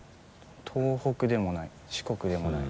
東北でもない四国でもない。